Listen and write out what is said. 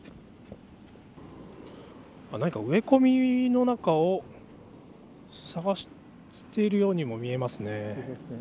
植え込みの中を探しているようにも見えますね。